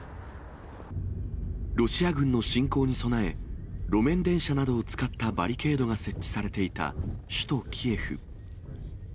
ロシア軍の侵攻に備え、路面電車などを使ったバリケードが設置されていた首都キエフ。